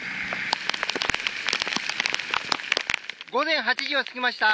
午前８時を過ぎました。